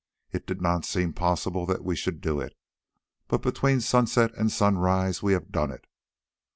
It did not seem possible that we should do it, but between sunset and sunrise we have done it.